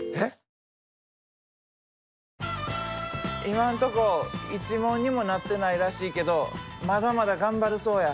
今んとこ一文にもなってないらしいけどまだまだ頑張るそうや。